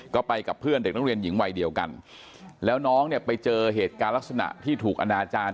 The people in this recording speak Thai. ก็ไปกับเพื่อนเด็กนักเรียนหญิงวัยเดียวกันแล้วน้องเนี่ยไปเจอเหตุการณ์ลักษณะที่ถูกอนาจารย์